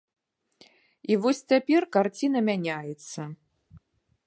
І вось цяпер карціна мяняецца.